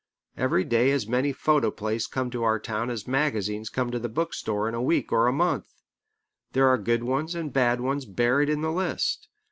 Every day as many photoplays come to our town as magazines come to the book store in a week or a month. There are good ones and bad ones buried in the list.